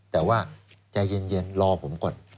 แต่ว่าใจเย็นรอผมก่อน